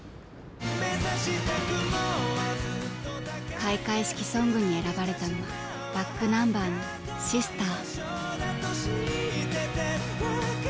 開会式ソングに選ばれたのはｂａｃｋｎｕｍｂｅｒの「ＳＩＳＴＥＲ」。